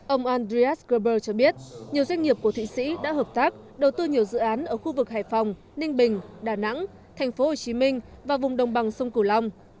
ông andreas gerber cho biết nhiều doanh nghiệp của thụy sĩ đã hợp tác đầu tư nhiều dự án ở khu vực hải phòng ninh bình đà nẵng thành phố hồ chí minh và vùng đồng bằng sông cửu long